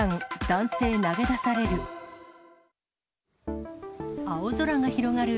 男性投げ出される。